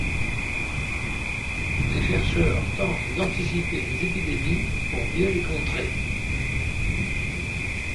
Les chercheurs tentent d'anticiper les épidémies pour mieux les contrer.